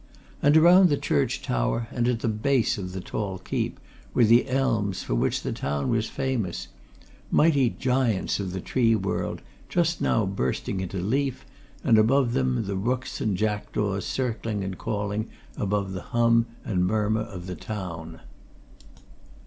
And around the church tower, and at the base of the tall keep, were the elms for which the town was famous; mighty giants of the tree world, just now bursting into leaf, and above them the rooks and jackdaws circling and calling above the hum and murmur of the town.